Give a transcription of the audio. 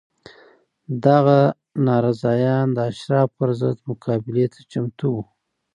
دغه ناراضیان د اشرافو پر ضد مقابلې ته چمتو وو